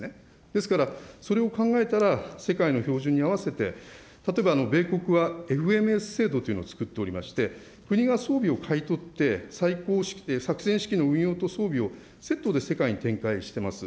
ですからそれを考えたら、世界の標準に合わせて、例えば米国はＦＭＳ制度というものを作っておりまして、国が装備を買い取って作戦指揮の運用と装備をセットで世界に展開してます。